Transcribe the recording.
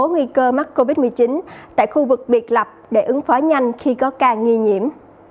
nguy cơ mắc covid một mươi chín tại khu vực biệt lập để ứng phó nhanh khi có ca nghi nhiễm